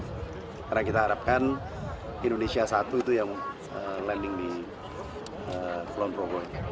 karena kita harapkan indonesia satu itu yang landing di kulonprogo